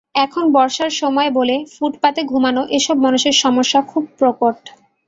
এখন বর্ষার সময় বলে ফুটপাতে ঘুমানো এসব মানুষের সমস্যা খুব প্রকট।